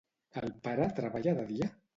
El pare treballa de dia?